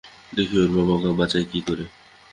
দেখি ওর বাবা ওকে বাঁচায় কী করে।